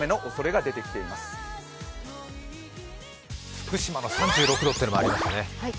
福島の３６度ってのもありましたね。